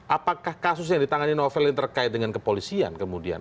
apakah kasus yang ditangani novel yang terkait dengan kepolisian kemudian